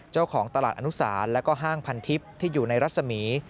เจ้าของตลาดอนุสารและห้างพันธิบที่อยู่ในรัศมีร์